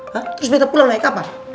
hah terus beta pulang naik kapan